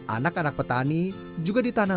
anak anak petani juga ditanam